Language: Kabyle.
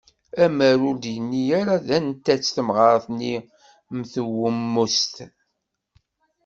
Amaru ur d-yenni ara d anta-tt temɣart-nni mm twemmust.